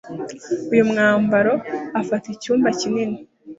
Uyu mwambaro afata icyumba kinini.